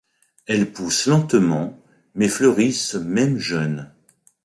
Elles poussent lentement mais fleurissent même jeunes.